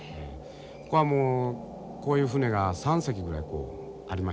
ここはもうこういう船が３隻ぐらいありましてね